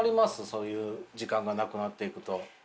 そういう時間がなくなっていくと。